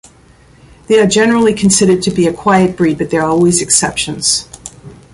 They are generally considered to be a quiet breed but there are always exceptions.